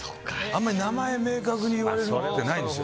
あんまり名前を明確に言われるってないです。